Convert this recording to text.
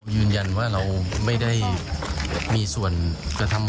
อยู่บ้านไหม